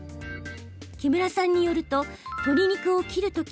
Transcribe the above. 木村さんによると鶏肉を切るとき